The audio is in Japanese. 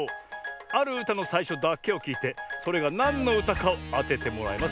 あるうたのさいしょだけをきいてそれがなんのうたかをあててもらいます。